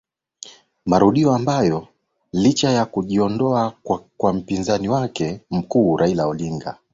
marudio ambayo licha ya kujiondoa kwa mpinzani wake mkuu Raila Odinga